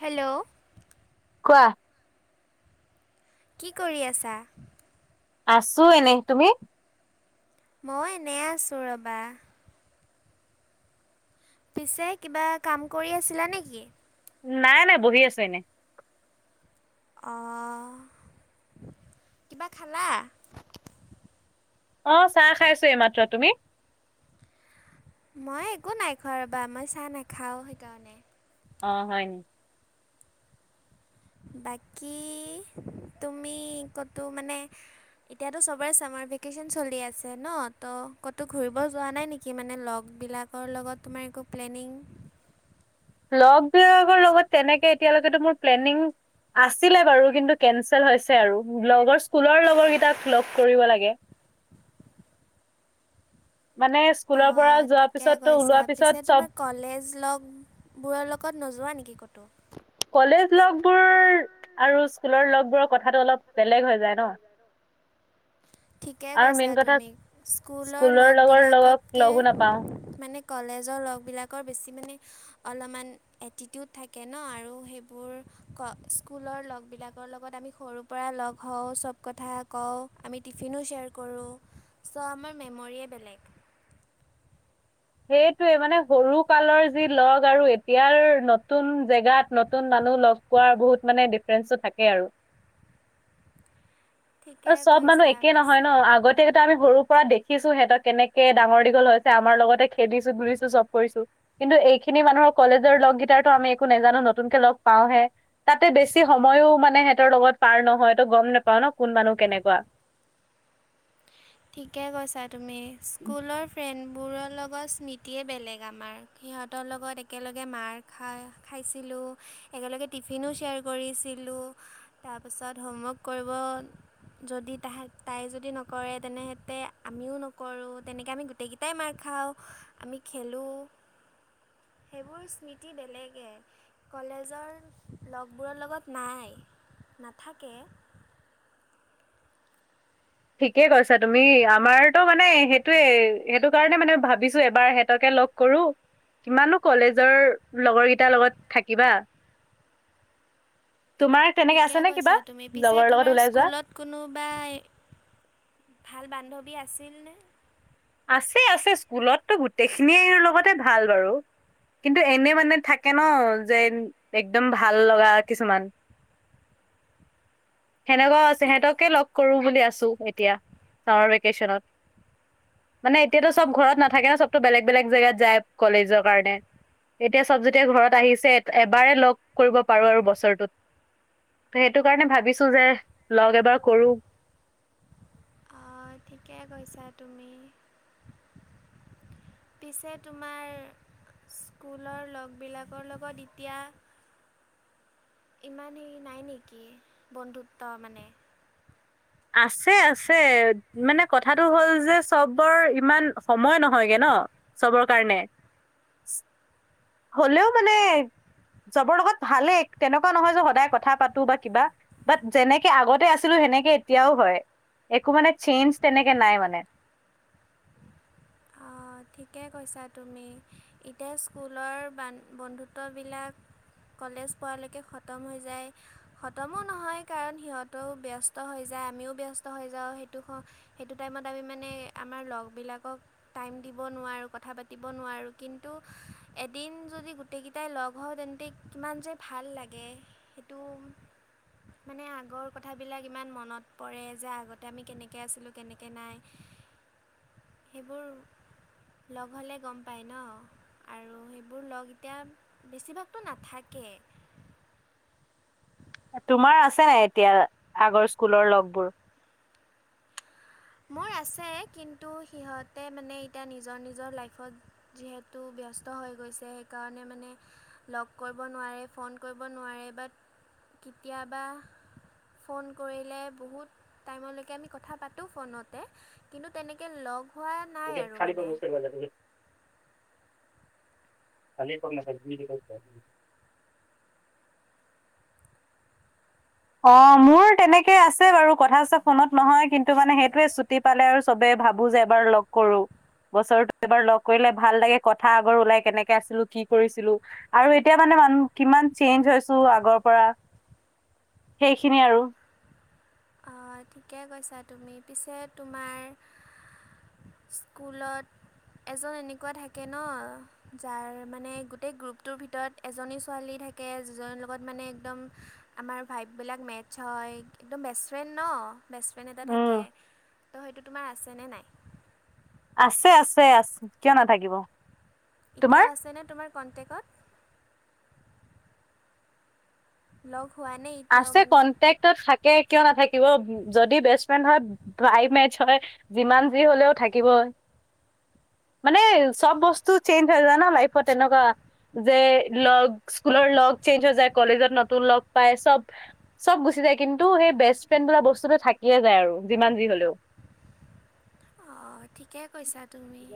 Hello. কোৱা? কি কৰি আছা? আছো এনেই। তুমি? মই এনেই আছো ৰবা। পিছে কিবা কাম কৰি আছিলা নেকি? নাই নাই বহি আছো এনেই। অঁ। কিবা খালা? অ চাহ খাইছো এই মাত্ৰ। তুমি? মই একো নাই খোৱা বৰা মই চাহ নাখাও সেইকাৰণে। অ হয়। বাকী তুমি ক'তো মানে এতিয়াতো চবৰে ছামাৰ ভেকেশচন চলি আছে ন ত' ক'তো ঘূৰিব যোৱা নাই নেকি মানে লগবিলাক। আৰু লগত তোমাৰ একো প্লেনিং। লগ বিলাকৰ লগত তেনেকে এতিয়ালৈকেতো মোৰ প্লেনিং আছিলে বাৰু কিন্তু কেন্সেল হৈছে আৰু লগৰ স্কুলৰ লগৰ কেইটাক লগ কৰিব লাগে। [unintelligible] মানে অ স্কুলৰ পৰা যোৱাৰ ঠিকে পিছতো কৈছা ওলোৱা পিছত পিছে চব তোমাৰ কলেজ লগ বোৰৰ লগত নোযোৱা নেকি ক'তো? কলেজ লগবোৰ আৰু স্কুলৰ লগবোৰৰ কথাটো অলপ বেলেগ হৈ যায় ন। অ। ঠিকে আৰু কৈছা মেইন কথা তুমি স্কুলৰ লগৰ লগক লগবিলাকতকে লগো নাপাওঁ মানে। কলেজৰ লগবিলাকৰ বেছি মানে অলমান। এটিটিউড থাকে ন আৰু সেইবোৰ ক স্কুলৰ লগবিলাকৰ লগত আমি সৰু। ৰ পৰা লগ হওঁ চব কথা কওঁ আমি। টিফিনো শ্বেয়াৰ কৰোঁ ছ' আমাৰ মেমোৰিয়ে বেলেগ। সেইটোয়ে মানে সৰু কালৰ যি লগ আৰু এতিয়াৰ নতুন। জেগাত নতুন মানুহ লগ পোৱাৰ বহুত মানে ডিফাৰেঞ্চো থাকে আৰু ঠিকে চব মানুহ কৈছা একে নহয় পিছে ন আগত। তেহেতক আমি সৰুৰ পৰাই দেখিছো সিহঁত কেনেকে ডাঙৰ দীঘল হৈছে আমাৰ লগতে। খেদিছো গুৰিছো চব কৰিছো। কিন্তু এইখিনি মানুহৰ কলেজৰ লগকেইটাৰতো আমি একো নাজানো নতুনকে লগ পাওঁহে। তাতে বেছি সময়ো মানে সিহঁতৰ লগত পাৰ নহয় তো গ'ম নেপাওঁ ন কোন মানুহ কেনেকুৱা। ঠিকে কৈছা তুমি স্কুলৰ ফ্ৰেণ্ডবোৰৰ লগত। নীতিয়ে বেলেগ আমাৰ সিহঁতৰ লগত একেলগে মাৰ খা খাইছিলোঁ। একেলগে টিফিনো শ্বেয়াৰ কৰিছিলোঁ তাৰপিছত হোমৱৰ্ক কৰিব। যদি তাহাক তাই যদি নকৰে তেনেহেতে। আমিও নকৰোঁ তেনেকৈ আমি গোটেইকেইটাই মাইৰ খাওঁ আমি খেলোঁ। সেইবোৰ স্মৃতি বেলেগে।। কলেজৰ লগবোৰৰ লগত নাই নাথাকে। ঠিকেই কৈছা তুমি আমাৰতো মানে সেইটোয়েৱে সেইটো। তই মানে ভাবিছো এবাৰ সিহঁতকে লগ কৰো। কিমাননো কলেজৰ লগৰ কেইটাৰ লগত থাকিবা। [inaudible] তোমাৰ তেনেকে আছে ঠিকে নে কিবা কৈছা তুমি পিছে লগৰ লগত তোমাৰ ওলাই যোৱা স্কুলত কোনোবাই? ভাল বান্ধৱী আছিলনে? আছে আছে স্কুলতো গোটেইখিনিৰ লগতে ভাল বাৰু কিন্তু এনে মানে থাকে ন যে একদম ভাল লগা কিছুমান। [inaudible] সেনেকুৱাও আছে ঠিক সিহঁতকে লগ কৰো বুলি আছো এতিয়া ছামাৰ ভেকেচনত। মানে এতিয়াতো চব অঁ ঘৰত নেথাকে নে চবতো বেগ বেলেগ জেগাত যায়। কলেজৰ কাৰণে এতিয়া চব যেতিয়া ঘৰত আহিছে এবাৰে লগ। কৰিব পাৰো আৰু বছৰটোত ত সেইটো কাৰণে ভাবিছো যে লগ এবাৰ কৰো। অ ঠিকে কৈছা তুমি। পিছে তোমাৰ। স্কুলৰ লগবিলাকৰ লগত এতিয়া। ইমান হেৰি নাই নেকি বন্ধুত্ব মানে। আছে আছে মানে কথাটো হ'ল যে চবৰ ইমান সময় নহয়গে ন। চবৰ কাৰণে হ'লেও মানে। চবৰ লগত ভালেই তেনেকুৱা নহয় যে সদায় কথা পাতো বা কিবা। বাট যেনেকে আগতে আছিলো সেনেকে এতিয়াও হয় একো মানে চেঞ্জ তেনেকে নাই মানে। অঁ ঠিকে কৈছা তুমি এতিয়া স্কুলৰ বান বন্ধুত্ববিলাক। কলেজ পোৱালৈকে খতম হৈ যায়। খতমো নহয় কাৰণ সিহঁতেও ব্যস্ত হৈ যায় আমিও ব্যস্ত হৈ যাওঁ সেইটো। সেইটো টাইমত আমি মানে আমাৰ লগবিলাকক টাইম- দিব নোৱাৰোঁ, কথা পাতিব নোৱাৰোঁ কিন্তু এদিন যদি গোটেইকেইটাই লগ হওঁ তেন্তে- কিমান যে ভাল লাগে সেইটো- মানে আগৰ কথাবিলাক ইমান মনত পৰে যে আগতে আমি কেনেকৈ আছিলোঁ কেনেকৈ নাই। সেইবোৰ- লগ হ'লে গম পায় ন। আৰু সেইবোৰ লগ এতিয়া বেছিভাগতো নাথাকেই। তোমাৰ আছে নাই এতিয়া আগৰ স্কুলৰ লগ বোৰ? মোৰ আছে কিন্তু সিহঁতে মানে এতিয়া নিজৰ নিজৰ লাইফত- যিহেতু ব্যস্ত হৈ গৈছে সেইকাৰণে মানে- লগ কৰিব নোৱাৰে ফোন কৰিব নোৱাৰে বাট- কেতিয়াবা ফোন কৰিলে বহুত টাইমলৈকে আমি কথা পা- তো ফোনতে কিন্তু তেনেকৈ লগ হোৱা নাই আৰু মানে। [unintelligible] [unintelligible] অঁ' মোৰ তেনেকে আছে বাৰু কথা চথা ফোনত নহয় কিন্তু মানে সেইটোয়ে ছুটি পালে আৰু- চবে ভাবো যে এবাৰ লগ কৰো। বছৰটো- এবাৰ লগ কৰিলে ভাল লাগে কথা আগৰ ওলাই কেনেকে আছিলো কি কৰিছিলো। আৰু এতিয়া মানে মানুহ কিমান চেঞ্জ হৈছো আগৰ পৰা। সেইখিনি আৰু। অঁ ঠিকে কৈছা তুমি। পিছে তোমাৰ- স্কুলত এজন এনেকুৱা থাকে ন- যাৰ মানে গোটেই গ্ৰুপটোৰ ভিতৰত এজনী ছোৱালী থাকে যিজনীৰ লগত মানে একদম- আমাৰ ভাইভবিলাক মেটছ হয় একদম বেছ- ফ্ৰেণ্ড ন' বেষ্ট ফ্ৰেণ্ড এটা থাকে। উম, ত' হেইতো তোমাৰ আছেনে নাই? আছে আছে, কিয় নাথাকিব। এতিয়াও তোমাৰ? আছেনে তোমাৰ কণ্টেকটত? লগ হোৱানে- এতিয়াও আছে মানে কনটেক্টত থাকে কিয় নাথাকিব। যদি বেষ্ট ফ্ৰেণ্ড হয়- প্ৰাইভ মেচ হয়। যিমান যি হ'লেও থাকিবই। মানে চ'ব বস্তু চেঞ্জ হৈ যায় ন লাইফত তেনেকুৱা। যে লগ স্কুলৰ লগ চেঞ্জ হৈ যায় কলেজত নতুন লগ পাই- চ'ব চ'ব গুচি যায় কিন্তু সেই বেষ্ট ফ্ৰেণ্ড বোলা বস্তুটো থাকিয়ে যায় আৰু যিমান যি হলেও। [inaudible] অঁঁ ঠিকে কৈছা তুমি।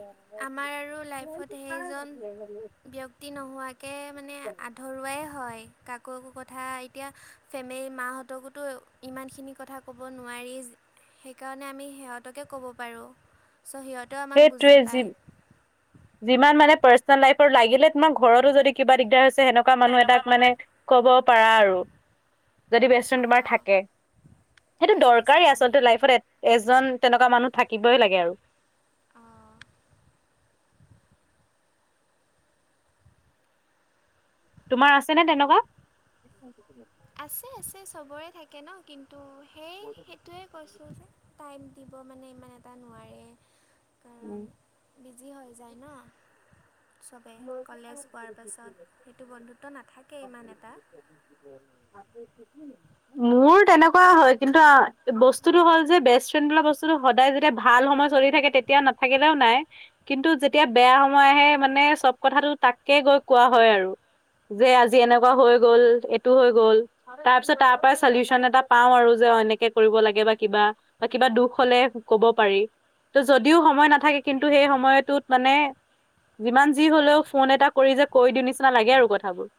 আমাৰ আৰু লাইফত সেইজন- ব্যক্তি নোহোৱাকৈ- মানে কি কৰি- [unintelligible] হয়, কাকো কথা এতিয়া ফেমেলি মাহঁতকোতো ইমানখিনি কথা- ক'ব নোৱাৰি সেইকাৰণে আমি সিহঁতকে ক'ব পাৰোঁ। ছ' সিহঁতেও আমাক সেইটোৱে বুজি যি পায়। যিমান মানে পাৰ্চনেল লাইফৰ লাগিলে তোমাৰ ঘৰতো যদি কিবা দিগদাৰ হৈছে সেনেকুৱা- কা মানুহ এটাক মানে ক'ব পাৰা আৰু যদি বেচফেন তোমাৰ অঁ থাকে। সেইটো ঠিকে কৈছা দৰকাৰেই তুমি আচলতে লাইফত এ এজন তেনেকুৱা মানুহ থাকিবে লাগে আৰু। অঁ। তোমাৰ আছে নে তেনেকুৱা আছে আছে চবৰে থাকে ন কিন্তু সেই টোৱে কৈছোঁ যে টাইম দিব মানে ইমান এটা নোৱাৰে কাৰণ উম বিজি হৈ যায় ন চবে কলেজ পোৱাৰ পাছত সেইটো বন্ধুত্ব নাথাকে ইমান এটা আপ থিক [inaudible] [inaudible] মোৰ তেনেকুৱা হয় কিন্তু বস্তুতটো হ'ল যে বেষ্ট ফ্ৰেণ্ড বোলা বস্তুটো সদায় যেতিয়া ভাল সময় চলি থাকে তে তেতিয়া নাথাকিলেও নাই কিন্তু যেতিয়া বেয়া সময় আহে মানে চব কথাটো তাকে গৈ কোৱা হয় আৰু যে আজি এনেকুৱা হৈ গ'ল এইটো হৈ গ'ল তাৰ পিছত তাৰ পৰা চলিওচন এটা পাও আৰু যে এনেকে কৰিব লাগে বা কিবা বা কিবা দুখ হলে কব পাৰি ত যদিও সময় নাথাকে কিন্তু সেই সময়টোত মানে যিমান যি হলেও ফোন এটা কৰি যে কৈ দি নিচিনা লাগে আৰু কথাবোৰ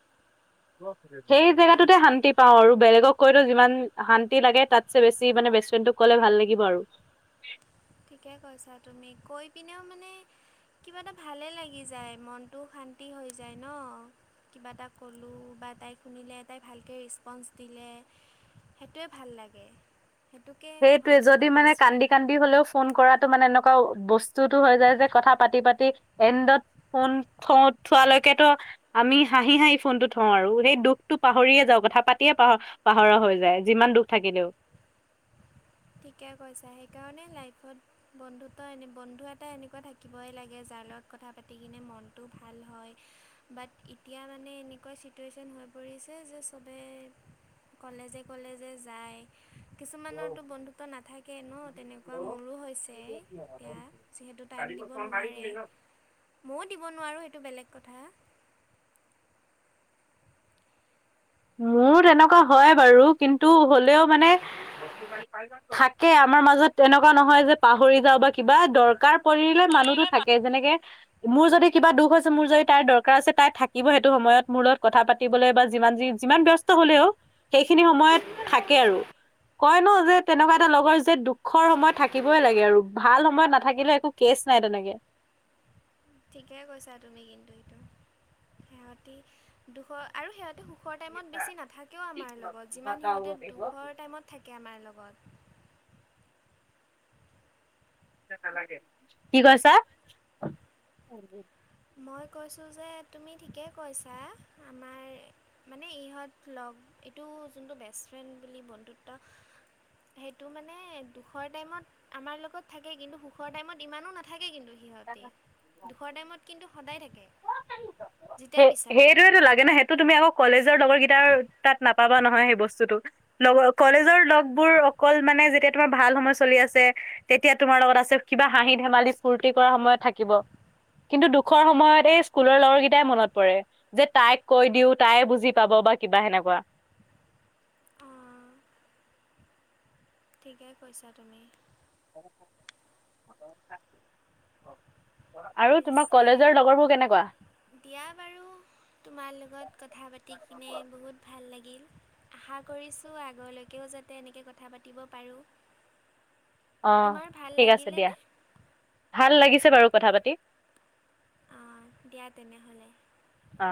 সেই জেগাটোতে ঠিকে শান্তি পাও আৰু বেলেগক কৈতো যিমান শান্তি লাগে তাত চে বেছি মানে বে ফ্ৰেণ্ডোক ক'লে ভাল লাগিব আৰু ঠিকে কৈছা তুমি কৈ পিনেও মানে কিবা এটা ভালে লাগি যায় মনটোও শান্তি হৈ যায় ন কিবা এটা ক'লোঁ বা তাই শুনিলে তাইক ভালকে ৰেচপন্ঞ্চ দিলে সেইটোৱে ভাল লাগে সেইটোকে সেইটোৱে হয়তো যদি কয় মানে বেষ্ট কান্দি ফ্ৰেণ্ড কান্দি হলেও ফোন কৰাটো মানে এনেকোৱা বস্তুতো হৈ যায় যে কথা পাতি পাতি এডত ফোন খ থোৱালৈকেতো আমি হাঁহি হাঁহি ফোনটো থওঁ আৰু সেই দুখতটো পাহৰিয়ে যাওঁ কথা পাতিয়ে পাহ পাহৰা হৈ যায় যিমান দুখ থাকিলেও ঠিকে কৈছা সেইকাৰণে লাইফত বন্ধুত্ব এনে বন্ধু এটা এনেকুৱা থাকিবই লাগে যাৰ লগত কথা পাতি কিনে মনটো ভাল হয় বাট এতিয়া মানে এনেকুৱা চিটুৱেশ্যন হৈ পৰিছে যে চবে কলেজে কলেজে যায় কিছুমানত তো বন্ধুত্ব নাথাকে ন তেনেকুৱা মোৰো হৈছে এতিয়া যিহেতু টাইম দিব নোৱাৰে ময়ো দিব নোৱাৰো সেইটো বেলেগ কথা মোৰ তেনেকুৱা হয় বাৰু কিন্তু হ'লেও মানে থাকে আমাৰ মাজত তেনেকুৱা নহয় যে পাহৰি যাওঁ বা কিবা দৰকাৰ পৰিলে মানুহতো কৰিলে মা থাকে যেনেকে মোৰ যদি কিবা দুখ আছে মোৰ যদি তাইৰ দৰকাৰ আছে তাই থাকিব সেইটো সময়ত মোৰ লগত কথা পাতিবলৈ বা যিমান যি যিমান ব্যস্ত হলেও সেইখিনি সময়ত থাকে আৰু কয় ন যে তেনেকুৱা এটা লগৰ যে দুখৰ সময় থাকিবই লাগে আৰু ভাল সময়ত নাথাকিলে একো কেচ নাই তেনেকে ঠিকেই কৈছা তুমি কিন্তু সেইটো সিহঁতি দুশ আৰু সিহঁতি সুখৰ টাইমত বেছি নাথাকেও আমাৰ লগত যিমান সিহঁতে দুখৰ টাইমত থাকে আমাৰ লগত কি কৈছা মই কৈছোঁ যে তুমি ঠিকেই কৈছা আমাৰ মানে ইহঁত লগ এইটো যোনটো বেষ্ট ফ্ৰেণ্ড বুলি বন্ধুত্ব সেইটো মানে দুখৰ টাইমত। আমাৰ লগত থাকে কিন্তু সুখৰ টাইমত ইমানো নাথাকে কিন্তু। সিহঁতে দুখৰ টাইমত কিন্তু সদায় থাকে সেই যেতিয়াই বিচাৰোঁ। সেইটোৱেতো লাগে নে সেইটো তুমি আকৌ কলেজৰ লগৰ কেইটাৰ। তাত নাপাবা নহয় সেই বস্তুতো লগ কলেজৰ লগবোৰ অকল মানে যেতিয়া। তোমাৰ ভাল সময় চলি আছে তেতিয়া তোমাৰ লগত আছে কিবা হাঁহি ধেমালি ফুৰ্তি। সময়ত থাকিব কিন্তু দুখৰ সময়ত এই স্কুলৰ লগৰ কেইটাই মনত পৰে। যে তাইক কৈ দিওঁ তাই বুজি পাব বা কিবা সেনেকুৱা। ঠিকে কৈছা তুমি। আৰু তোমাৰ পিছে কলেজৰ লগৰবোৰ কেনেকুৱা? দিয়া বাৰু। তোমাৰ লগত কথা পাতি কিনে বহুত ভাল লাগিল। আশা কৰিছোঁ আগলৈকেও যাতে এনেকৈ কথা পাতিব পাৰোঁ। অঁ তোমাৰ ভাল ঠিক আছে দিয়া লাগিলেনে ভাল লাগিছে বাৰু কথা পাতি। অঁ দিয়া তেনেহ'লে অ।